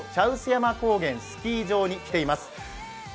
山高原スキー場に来ています。